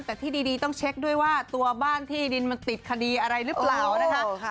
แต่ที่ดีต้องเช็คด้วยว่าตัวบ้านที่ดินมันติดคดีอะไรหรือเปล่านะคะ